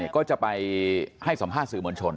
ก็จะไปให้สัมภาษณ์สื่อมวลชน